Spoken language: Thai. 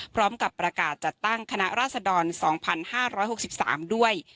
พร้อมกับประกาศจัดตั้งคณะราษฎรสองพันห้าร้อยหกสิบสามด้วย